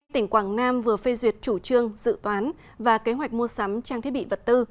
tỉnh quảng nam vừa phê duyệt chủ trương dự toán và kế hoạch mua sắm trang thiết bị vật tư